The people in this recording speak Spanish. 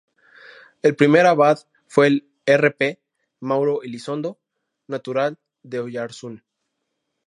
El primer abad fue el R. P. Mauro Elizondo, natural de Oyarzun.